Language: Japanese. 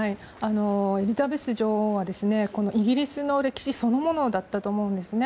エリザベス女王はイギリスの歴史そのものだったと思うんですね。